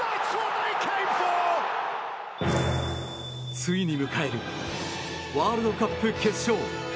ついに迎えるワールドカップ決勝。